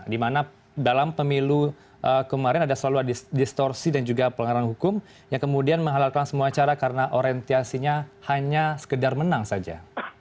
dimana dalam pemilu kemarin ada selalu ada distorsi dan juga pelanggaran hukum yang kemudian menghalalkan semua cara karena orientasinya hanya sekedar menang saja